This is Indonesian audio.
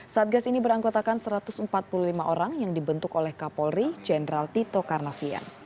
satgas ini beranggotakan satu ratus empat puluh lima orang yang dibentuk oleh kapolri jenderal tito karnavian